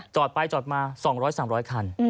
จอดไปจอดมา๒๐๐๓๐๐คัน